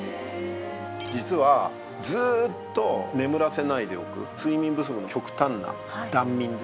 実はずーっと眠らせないでおく睡眠不足の極端な断眠ですね。